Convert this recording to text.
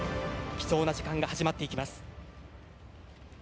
貴重な時間が始まっていきます。